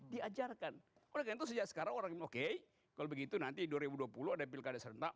diajarkan oleh karena itu sejak sekarang orang oke kalau begitu nanti dua ribu dua puluh ada pilkada serentak